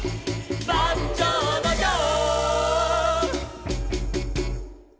「バンジョーのジョー」